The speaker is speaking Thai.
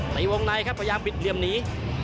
ในวงในครับพยายามบิดเหลี่ยมหนี